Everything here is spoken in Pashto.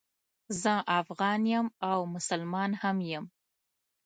زه افغان یم او مسلمان هم یم